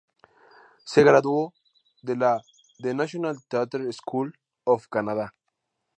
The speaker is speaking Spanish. Se graduó de la "The National Theatre School of Canada".